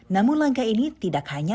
namun langkah ini tidak hanya